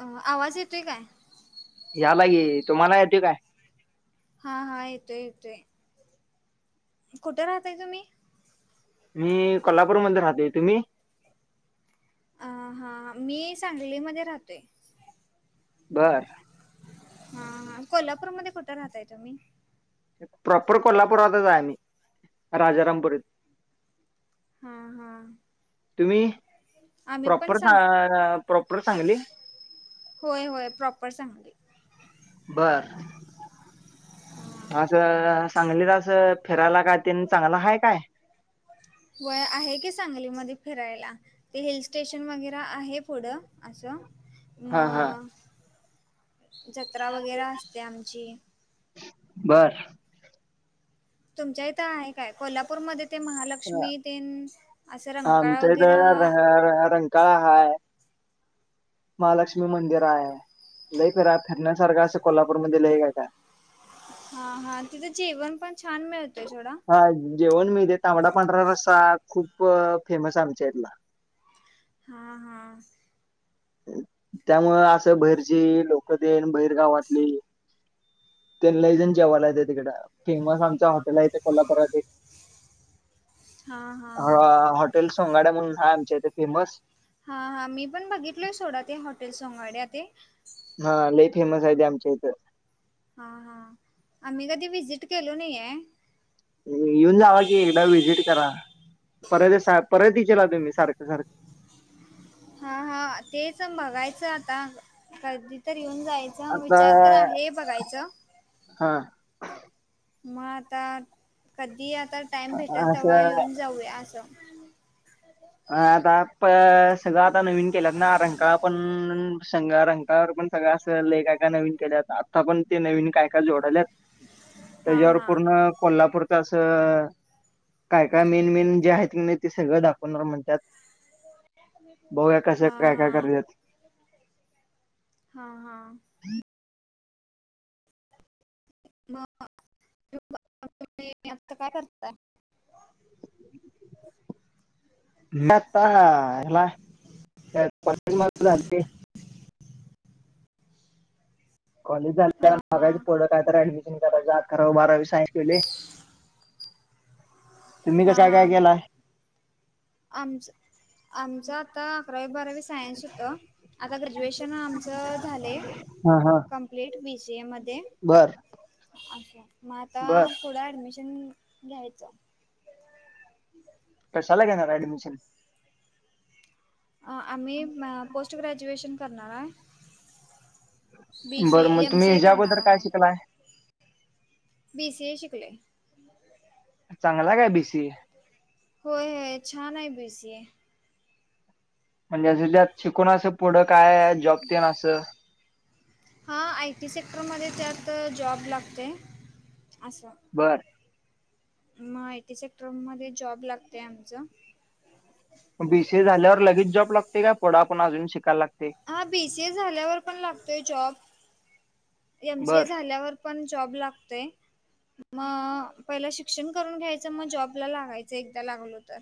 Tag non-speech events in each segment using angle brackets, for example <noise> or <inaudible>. अ आवाज येतोय काय? यालायकी. तुम्हाला येतोय काय? हा. हा. येतोय, येतोय. कुठं राहताय तुम्ही? मी कोल्हापूरमध्ये राहतोय. तुम्ही? अ हा मी सांगलीमध्ये राहतोय. बरं. हा. हा. कोल्हापूरमध्ये कुठं राहताय तुम्ही? प्रॉपर कोल्हापुरातच हाय आमी राजारामपूरीत. हा. हा. तुम्ही आम्ही पण प्रॉपर सांग सा - -प्रॉपर सांगली. होय. होय. प्रॉपर सांगली. बरं. आसं सांगलित असं फिरायला काय तेन चांगल हाय काय? वय आहे की सांगलीमध्ये फिरायला. ते हिल स्टेशन वगैरे आहेत. पुढं असं हा हा म. जत्रा वगैरे असते आमची. बरं. तुमच्या इथं आहे काय? कोल्हापूरमध्ये - - ते महालक्ष्मी तेन, असं रंकाळा आमच्या वगैरा. इथं <unintelligible> रं काळा हाय. महालक्ष्मी मंदिर हाय. लई फिरा फिरण्यासारखं असं कोल्हापूरमध्ये लई काय काय हाय. हा. हा. तिथं जेवण पण छान मिळतंय सोडा. हा. जेवण मिळतयं तांबडा पांढरा रस्सा खूप फेमस आहे आमच्या इथला. हा. हा. त्यामुळ असं बहिरची लोकं तेन बैरगावातली ते लैजन जेवायला येत्यात हिकडं. फेमस आमचा हॉटेल आहे कोल्हापुरात एक. हा हा हॉटेल सोंगाड्या म्हणून हाय आमच्या इथं फेमस. हा. हा. मी पण बघितलोय सोडा ते हॉटेल सोंगाड्या ते. हा. लई फेमस हाय ते आमच्या इथं. हा. हा. आम्ही कधी व्हिजिट केलो नाहीआयं. येऊन जावा कि एकदा व्हजिट करा. परत सा - -परत इचिला तुम्ही सारखं सारखं. हा. हा. तेच बघायचं आता कधी तर येऊन जायचं. आता विचार तर आहे बघायचं. हा मग आता कधी आता टाइम भेटल तेवा असं येऊन जाऊया असं. अ आता प सगळं आता नवीन केल्यातना. रंकाळा पण शंग रंगावर पण सगळ अस लई काय काय नवीन केल्यात. आता पण ते नवीन काय काय जोडल्यात. <inaudible> तेज्यावर हा पूर्ण कोल्हापूरच असं काय काय मेन मेन जे आहेत किनी ते सगळं दाखव त्यात. बघुया कसं हा काय काय हा करत्यात. हा. हा. मग, तुमही आता काय करताय? <inaudible> मी आता हेला काय <unintelligible> झाली कॉलेज झाल्यावर हा हा बघायच पुढं काय तर ऍडमिशन करायंचं. आकरांवी, बारावी सायन्स केलोय. तुम्ही कसाय. काय काय केलाय? आम आमच आता अकरावी, बारावी सायन्स होतं. आता ग्रॅज्युएशन आमचं झालयं. हा हा कंप्लीट बी सी ए मध्ये. बर अच्छा मग आता बर पुढं ऍडमिशन घ्यायचं कशाला घेणार ऍडमिशन आम्ही पोस्ट ग्रॅज्युएशन करणार आहे बी सी बरं ए मग एम तुम्ही सी ए करणार ह्याच्याबद्दल काय शिकलाय बीसीए शिकले चांगला काय बीसीए होय होय छान आहे बीसी ए म्हणजे त्यात शिकून असं पुढं काय जॉबते ना असं हा आय टी सेक्टरमध्येध्ये त्यात जॉब लागतोय असं बरं मग आयटी सेक्टरमध्येध्ये जॉब लागतेय आमचं बीसीए झाल्यावर लगेच जॉब लागते का पुढा पण अजून शिकायला लागते हा बीसीए झाल्यावर पण लागतोय जॉब एमसीए बर झाल्यावर पण जॉब लागतंय मग पहिला शी शिक्षण करून घ्यायचं मग जॉबला लागायचं एकदा लागलो तर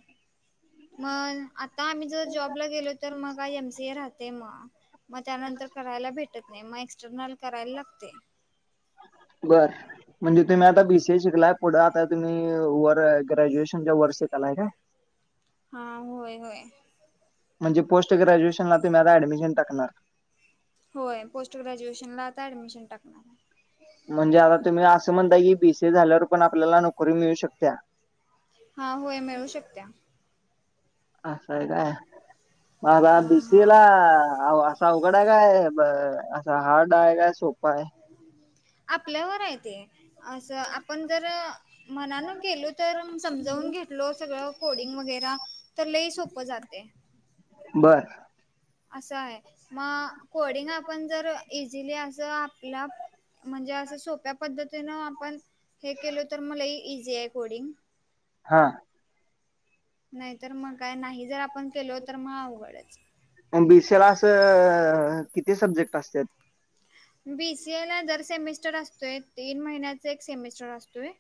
मग आता आम्ही जर जॉबला गेलो तर मग का एमसी ए राहते मग मग त्यानंतर करायला भेटत नाही मग एक्सटर्नल करायला लागते बरं म्हणजे तुम्ही आता बीसी ए शिकलाय पुढं आता तुम्ही वर ग्रॅज्युएशनच्या वर शिकलाय का हा होय होय म्हणजे पोट ग्रॅज्युएशनला तुमही आता डमिशन टाकणार होय पोस्ट ग्रॅज्युएशन ला आता ऍडमिशन टाकणार आहे म्हणजे आता तुम्ही असं म्हणताय की बीसी झाल्यावर पण आपल्याला नोकरी मिळू शकत्या हा होय मिळू शकत्या अस काय मग आता हां हां बीसीएला अवघड आहे काय ब असं हार्ड आहे काय सोपा आहे आपल्यावर आहे ते असं आपण जर मनान गेलो तर म समजावून घेतलो सगळं कोडिंग वगैरे तर लय सोपं जाते बर असं आहे मग कोडिंग आपण जर इझिली असं आपला म्हणजे असं सोप्या पद्धतीनं आपण हे केलो तर मलाही इझी आहे कोडिंग हा नाहीतर मग काय नाही जर आपण केलो तर मग अवघडच बीसी ए ला असं किती सब्जेक्ट असत्यात बीसीए ला जर सेमिस्टर असतोय तीन महिन्याच एक सेमिस्टर असतोय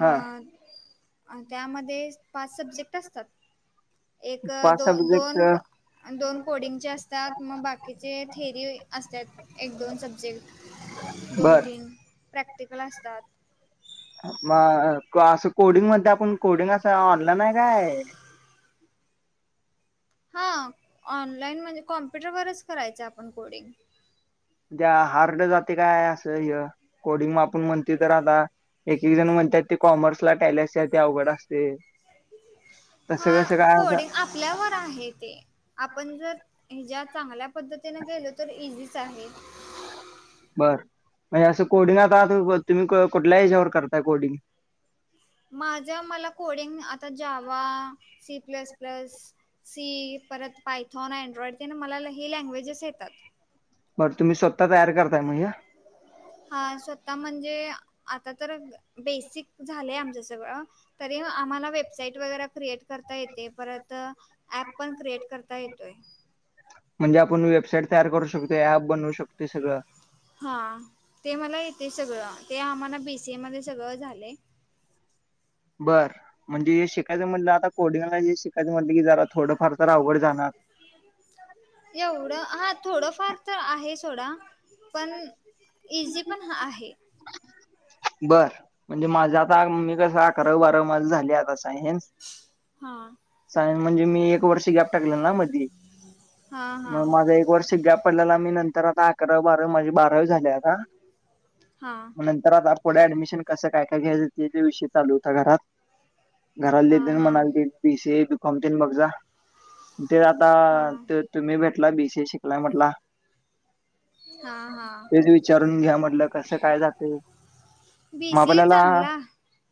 हा त्यामध्ये पाच सब्जेक्ट असतात एक पाच दोन सब्जेक्ट दोन दोन कोडिंगचे असतात मग बाकीचे थेरी असतात एक दोन सब्जेक्ट दोन बर तीन प्रॅक्टिकल असतात मग असं कोडिंग मध्ये आपण कोडिंग असं ऑनलाईन आहे काय हा ऑनलाईन म्हणजे कॉम्प्युटरवरच करायचं आपण कोडिंग त्या हार्ड जाते काय असं कोडिंग आपण म्हणते तर आता एक एक जण म्हणतात ते कॉमर्स ला टायले अस अवघड असते हा तसं कसं काय कोडिंग असं आपल्यावर आहे ते आपण जर ह ज्या चांगल्या पद्धतीने गेलो तर इझीच आहे बरं म्हणजे असं कोडिंग आत आहात तुम्ही कुठल्या याच्याावर करताय कोडिंग माझं मला कोडिंग आता जा्यावा सी प्लस प्लस सी परत पायथॉन अँड्रॉइड ते ना मला हे लँग्वेजेस येतात बरं तुम्ही स्वतः तयार करतायणज्या हा स्वतः म्हणजे आता तर बेसिक झालंय आमचं सगळं तरी आम्हाला वेबसाईट वगैरे क्रिएट करता येते परत. ऍप पण क्रिएट करता येतोय. म्हणजे आपण वेबसाईट तयार करू शकतो ऍप बनवू शकत सगळं. हा ते मला येते सगळं ते आम्हाला बीसीए मध्ये सगळं झालं. बरं म्हणजे शिकायचं म्हटलं आता कोडिंगला ज शिकायचं म्हटलं की जरा थोडंफार तर आवड जाणार. एवढं हा थोडं फार तर आहे सोडा. पण इझी पण हा आहे. बर म्हणजे माझं आता मी कस अकरा बारावी मा झाले आता. हा सायन म्हणजे मी एक वर्ष गॅप टाकले ना मधली. हा हा मग माझा एक वर्ष गप. पडल्याला मी नंतर आता अकरा बारावी माझे बारावी झाले आता हा नंतर आता. पुढे ऍडमिशन कसं काय काय घ्यायचं विषय चालू होता घरात हा घरला हा म्हणाले. बीसी ए बिकौतेन बघ जा ते आता हा ते. तुम्ही भेटला बीसीए शिकलाय म्हटला. हा हा तेच विचारून घ्या म्हटलं कस काय जाते. बी सी ए चांगला.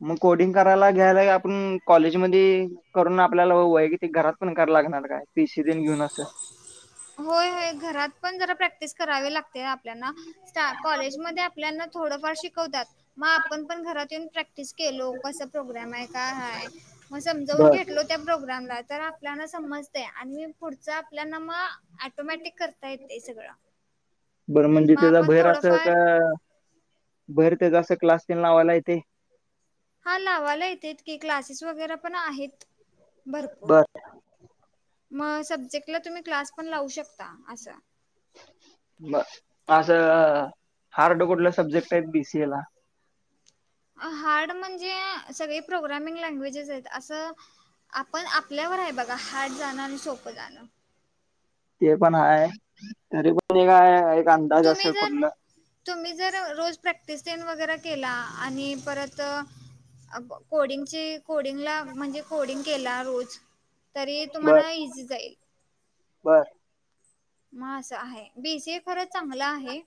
मग कोडिंग करायला घ्यायला आपण. कॉलेजमध्ये करून आपल्याला वैयतिक घरात पण करा लागणार काय पी सी दिन घेऊन असं. होय होय घरात पण जरा प्रॅक्टिस करावी लागते. कॉलेजमध्ये आपल्याना थोडंफार शिकवतात. मग आपण पण घरात येऊन प्रॅक्टिस केलो कसा प्रोग्राम आहे का हय मग समजावून बर घेतलो. त्या प्रोग्रामला तर आपल्याला समजते. आणि मी पुढचा आपल्या नामा टोमॅटिक करता येते सगळं. बरं म्हणजे मग त्याचा आपण भैराच थोडंफार का. भर तरसं क्लास टेन लावायला येते. हा लावाला येतेेत की क्लासेस वगैरे पण आहेत. भरपूर बर मग सब्जेक्टला तुम्ही क्लास पण लावू शकता असा. ब असं हार्ड कुठल्या सब्जेक्ट आहेत बीसीए ला. हार्ड म्हणजे सगळे प्रोग्रामिंग लँग्वेजेस आहेत असं. आपण आपल्यावर आहे बघा हात जाणं आणि सोपं जाणं. ते पण हाय तरी पण काय. तुम्ही जर. तुम्ही जर रोज प्रॅक्टिस देन वगैरे केला आणि परत. कोडिंगची. कोडिंगला म्हणजे कोडिंग केला रोज तरी बर तुम्हाला इझी जाईल. बर म असं आहे बीसीए खरंच चांगला आहे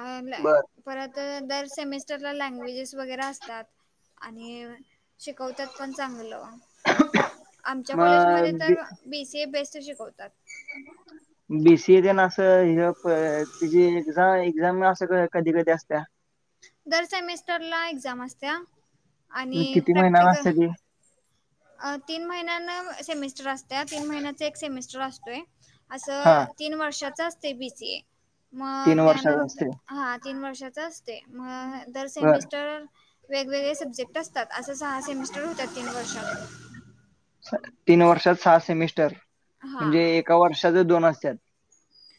आला. बर परत दर सेमिस्टरला लँग्वेजेस वगैरे असतात आणि.. शिकवतात पण चांगलं आमच्या कॉलेजमध्ये मग तर.. बीसी ब्यास शिकवतात. बीसीए दे ना अस तची एझा एक्झाम अस कधी कधी असत. दर सेमेस्टरला एक्झाम आसत्या आणि किती महिन्याला प्रॅक्टिकल. असते ती तीन महिन्यांन सेमिस्टर असत्या तीन महिन्याच एक सेमिस्टर असतोय. हा असं तीन वर्षाच असते बीसी ए. मग तीन वर्षात त्यानंतर असते हा तीन वर्षाचा असते मग जर बर सेमिस्टर.. वेगवेगळे सब्जेक्ट असतात असं सहा सेमिस्टर होत्याात तीन वर्षात. तीन वर्षात सहा सेमिस्टर हा म्हणजे एका वर्षाच दोन असत्यात.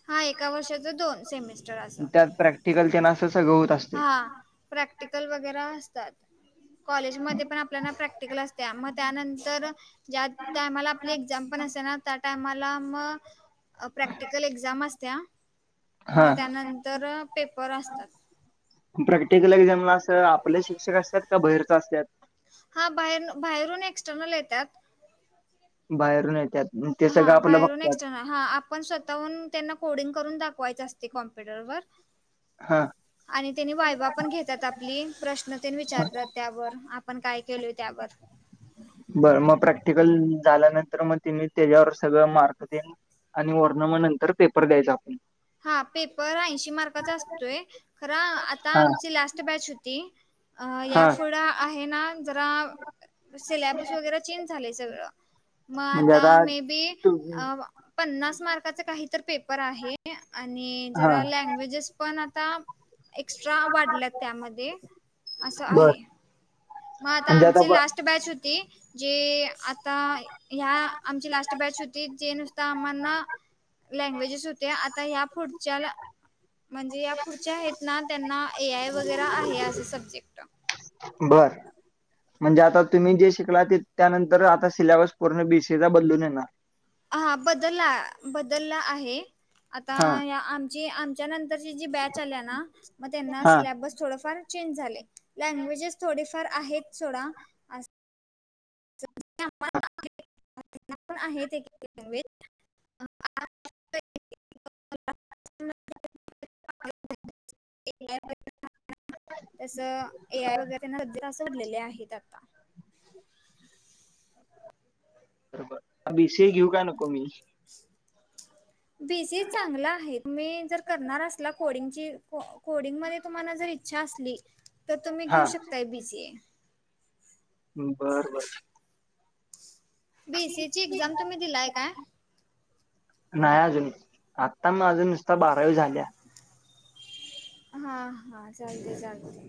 हा एका वर्षाच दोन सेमेस्टर. त्यात प्रॅक्टिकल तेनं असं सगळं होत असत. हा प्रॅक्टिकल वगैरे असतात कॉलेजमध्ये पण आपल्याला प्रॅक्टिकल असत. त्या मग त्यानंतर ज्या टायमाला आपली, एक्झाम पण असते ना, त्या टायमाला मग. प्रॅक्टिकल एक्झाम असत्या आ. हा मग त्यानंतर पेपर असतात. प्रॅक्टिकल एक्झामला असं, आपले शिक्षक असत्यात का? बाहेरच असतात. हां बाहेर, बाहेरून एक्सटर्नल येतात. बाहेरून येत्यात. ते सगळं हा आपलं बाहेरून बघत्यात. एक्सटर्नल हा आपण स्वतःहून त्यांना, कोडिंग करून दाखवायचं असते, कॉम्प्युटरवर. हा आणि त्यांनी वायवा पण घेतात आपली. प्रश्न ते न विचारत्यात. त्यावर. आपण काय केलोय, त्यावर. बरं मग प्रॅक्टिकल झाल्यानंतर मग, तेन्ही त्याच्यावर सगळं, मार्क तेन आणि वर्न मग नंतर पेपर द्यायचा, आप हा, पेपर ऐंशी मार्काचा असतोय, खरं. आता हा आमची लास्ट बॅच होती. अ हा या पुुढं आहे ना. जरा, सलॅब्स वगैरे चेंज झालेय, सगळं. मग आता, मे बी तू पन्नास मार्काचा काहीतर पेपर आहे. आणि हा जरा लँग्वेजेस पण आता एक्स्ट्रा वाढल्यात, त्यामध्ये. असं बर आहे. मग आता, म्हणजे आमची ब- लास्ट बॅच होती. जे आता, ह्या आमची लास्ट बॅच होती. जे नुसता आम्हाना लँग्वेजेस होते. आता या पुढच्याला म्हणजे या पुढच्या आहेत ना. त्यांना ए आय वगैरे आहे असे सब्जेक्ट. बर. म्हणजे आता तुम्ही जे शिकला ते त्यानंतर, आता सिलेबस पूर्ण बीसी चा बदलून येणार. हा बदला. बदलला आहे. आता हा या आम्ह जी आमच्या नंतरची जी बॅच आल्या ना. मग त्यांना, हा सिलेबस थोडफार चेंज झाले. लँग्वेजेस थोडेफार आहेत, सोडा. असे <unintelligible> पण आहेत एक <unintelligible> <unintelligible> <unintelligible> तस ए आय वगैरे <unintelligible> <unintelligible> आहेत आता. <unintelligible> घेऊ का नको मी <unintelligible> बीसी चांगला आहे. तुम्ही जर करणार असला, कोडिंगची को कोडिंगमध्ये तुम्हाला जर इच्छा असली, तर तुम्ही हा घेऊ शकताय बीसीए. बरं बर. बी एसी ची एक्झाम तुम्ही दिलाय काय? नाही अजून. आता माझं नुसता, बारावी झाल्या. <inaudible> हा, हा. चालतय, चालतंय.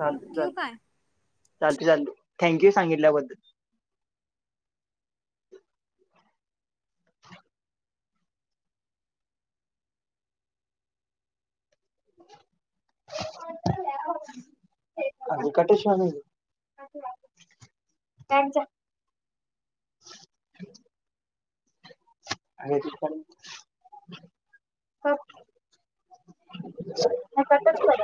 चालतय- चालतंय. चालतंय- चालतय. थँक्यू, सांगितल्याबद्दल. <inaudible> <unintelligible> <unintelligible> <unintelligible> हे कटच करा.